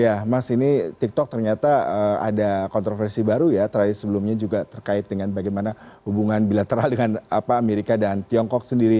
ya mas ini tiktok ternyata ada kontroversi baru ya terakhir sebelumnya juga terkait dengan bagaimana hubungan bilateral dengan amerika dan tiongkok sendiri